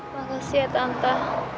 makasih ya tante